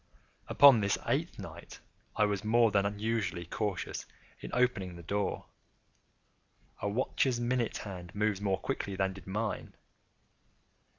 Upon the eighth night I was more than usually cautious in opening the door. A watch's minute hand moves more quickly than did mine.